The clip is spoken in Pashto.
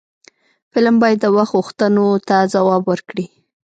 فلم باید د وخت غوښتنو ته ځواب ورکړي